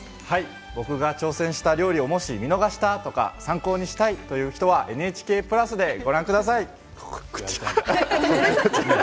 僕が挑戦した料理をもし見逃したとか参考にしたいという人はＮＨＫプラスでご覧ください。